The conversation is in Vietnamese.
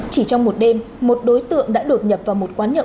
chỉ trong một đêm một đối tượng đã đột nhập vào một quán nhậu